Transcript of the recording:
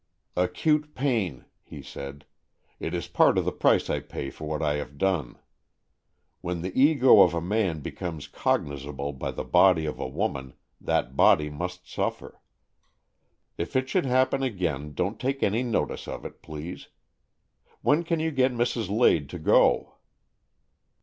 " Acute pain," he said. '' It is part of the price I pay for what I have done. When the Ego of a man becomes cognizable by the body of a woman, that body must suffer. If it should happen again, don't take any notice of it, please. When can you get Mrs. Lade to go?"